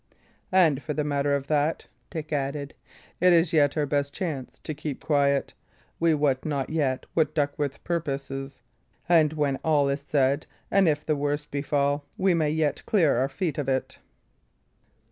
"And for the matter of that," Dick added, "it is yet our best chance to keep quiet. We wot not yet what Duckworth purposes; and when all is said, and if the worst befall, we may yet clear our feet of it."